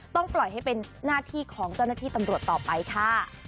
ปล่อยให้เป็นหน้าที่ของเจ้าหน้าที่ตำรวจต่อไปค่ะ